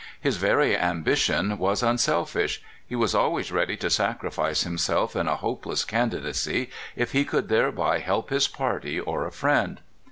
His very ambition was unselfish: he was always ready to sacrifice himself in a hopeless candidacy if he could thereby help his party or a friend.